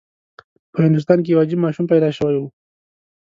په هندوستان کې یو عجیب ماشوم پیدا شوی و.